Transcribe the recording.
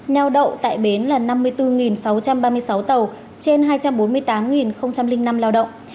neo đậu tại bến là năm mươi bốn sáu trăm ba mươi sáu tàu trên hai trăm bốn mươi tám năm lao động